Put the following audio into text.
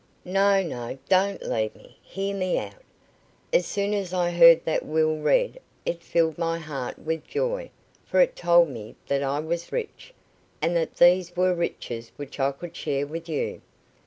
No, no; don't leave me. Hear me out. As soon as I heard that will read, it filled my heart with joy, for it told me that I was rich, and that these were riches which I could share with you.